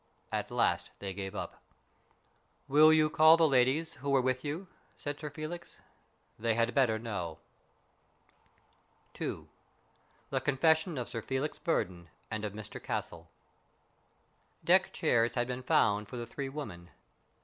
At last they gave it up. " Will you call the ladies who were with you ?" said Sir Felix. " They had better know." II THE CONFESSION OF SIR FELIX BURDON AND OF MR CASTLE DECK CHAIRS had been found for the three women.